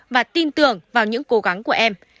và tin tưởng vào những cố gắng của em